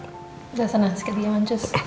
udah senang sikat gigi ancus